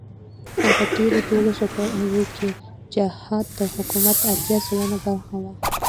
په تېرو دولسو کالو کې جهاد د حکومت اتيا سلنه برخه وه.